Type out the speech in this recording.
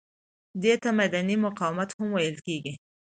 دې ته مدني مقاومت هم ویل کیږي.